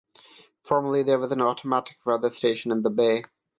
Formerly there was an automatic weather station in the bay.